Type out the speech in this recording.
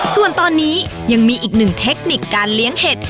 ส่วนตอนนี้ยังมีอีกหนึ่งเทคนิคการเลี้ยงเห็ด